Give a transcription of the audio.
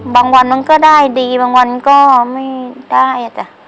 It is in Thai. บางวันมันก็ได้ดีบางวันก็ไม่ได้จ้ะ